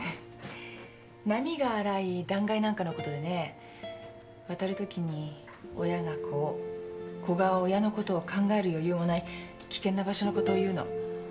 波が荒い断崖なんかのことでね渡るときに親が子を子が親のことを考える余裕もない危険な場所のことを言うの。